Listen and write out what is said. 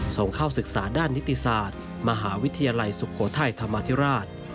ส่งเข้าศึกษาด้านนิติศาสตร์มหาวิทยาลัยสุโขทัยธรรมธิราช